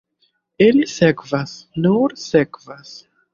Ili sekvas, nur sekvas.